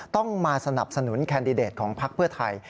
ต้องมาสนับสนุนแคนดิเดตของพักเพื่อไทย